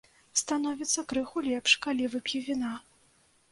Становіцца крыху лепш, калі вып'ю віна.